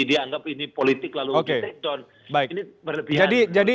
jadi jangan lalu semuanya dianggap ini politik lalu di take down